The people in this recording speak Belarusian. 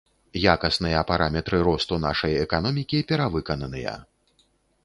Якасныя параметры росту нашай эканомікі перавыкананыя.